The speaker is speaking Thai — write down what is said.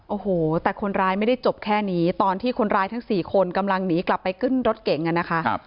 โอ้โหแต่คนร้ายไม่ได้จบแค่นี้ตอนที่คนร้ายทั้ง๔คนกำลังหนีกลับไปขึ้นรถเก๋งอ่ะนะคะ